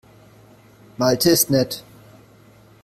Malte ist nett.